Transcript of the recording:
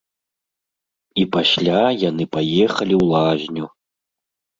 І пасля яны паехалі ў лазню!